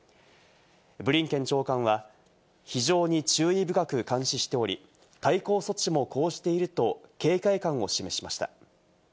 ブリンケン長官は非常に注意深く監視しており、対抗措置も講じていると警戒感を示しました。